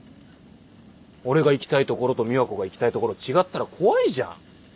俺が行きたいところと美和子が行きたいところ違ったら怖いじゃん。